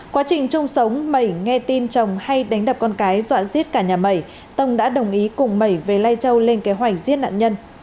quá trình chung sống mẩy nghe tin chồng hay đánh đập con cái dọa giết cả nhà mẩy tông đã đồng ý cùng mẩy về lai châu lên kế hoạch giết nạn nhân